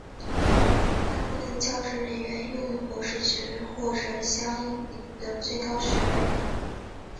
大部分教职人员拥有博士学位或者相应领域的最高学位。